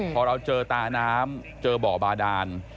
พอเราเจอตาน้ำเจอบ่อบาดาน